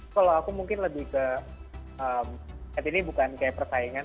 kalau aku mungkin lebih ke ini bukan kayak persaingan